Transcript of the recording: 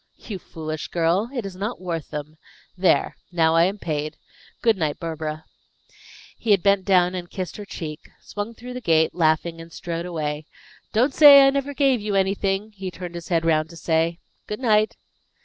"You foolish girl! It is not worth them. There! Now I am paid. Good night, Barbara." He had bent down and kissed her cheek, swung through the gate, laughing, and strode away. "Don't say I never gave you anything," he turned his head round to say, "Good night."